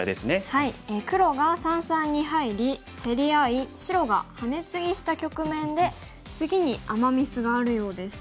黒が三々に入り競り合い白がハネツギした局面で次にアマ・ミスがあるようです。